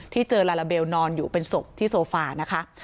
ที่เจอลาลาเบลนอนอยู่เป็นศพที่โซฟานะคะ